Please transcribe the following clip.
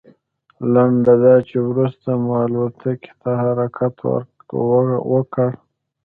لنډه دا چې وروسته مو الوتکې ته حرکت وکړ.